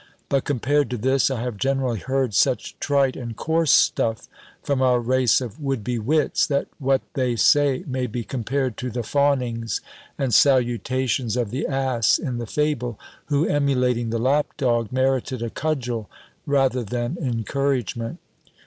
But, compared to this, I have generally heard such trite and coarse stuff from our race of would be wits, that what they say may be compared to the fawnings and salutations of the ass in the fable, who, emulating the lap dog, merited a cudgel rather than encouragement.